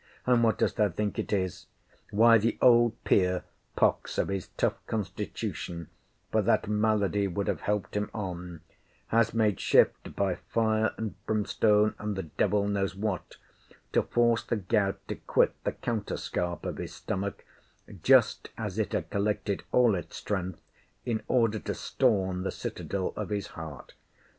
And what dost thou think it is? Why, the old Peer, pox of his tough constitution, (for that malady would have helped him on,) has made shift by fire and brimstone, and the devil knows what, to force the gout to quit the counterscarp of his stomach, just as it had collected all its strength, in order to storm the citadel of his heart.